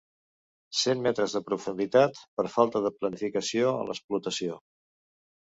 Cent metres de profunditat, per falta de planificació en l'explotació.